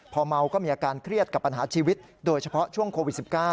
พอเมาก็มีอาการเครียดกับปัญหาชีวิตโดยเฉพาะช่วงโควิด๑๙